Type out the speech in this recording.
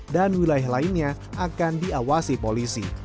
dan wilayah lainnya akan diawasi polisi